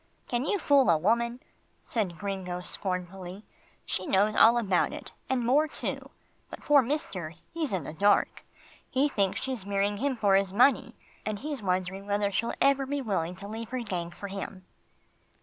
"Can you fool a woman?" said Gringo scornfully. "She knows all about it, and more too but poor mister, he's in the dark. He thinks she's marrying him for his money, and he's wondering whether she'll ever be willing to leave her gang for him."